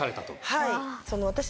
はい。